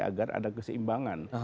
agar ada keseimbangan